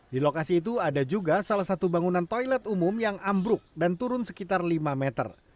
di lokasi itu ada juga salah satu bangunan toilet umum yang ambruk dan turun sekitar lima meter